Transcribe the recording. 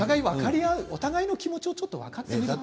お互いの気持ちを分かってね。